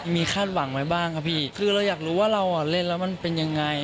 มีคาดหวังไว้บ้างครับพี่คือเราอยากรู้ว่าเราอ่ะเล่นแล้วมันเป็นยังไง